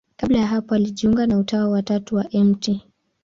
Kabla ya hapo alijiunga na Utawa wa Tatu wa Mt.